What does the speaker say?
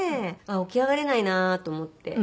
起き上がれないなと思って。